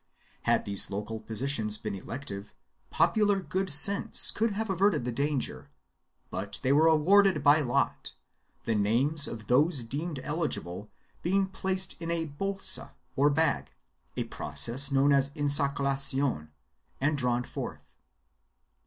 Had these local positions been elective, popular good sense could have averted the danger, but they were awarded by lot, the names of those deemed eligible being placed in a bolsa or bag — a process known as insaculacion — and drawn forth.